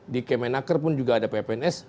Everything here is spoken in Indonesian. di kemenaker pun juga ada ppns